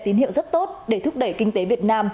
tín hiệu rất tốt để thúc đẩy kinh tế việt nam